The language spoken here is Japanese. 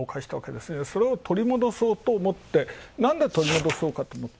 それを取り戻そうとなんで取り戻そうかと思った。